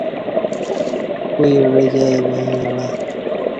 کوئی عوہ کی ا ئی با ایں ولہ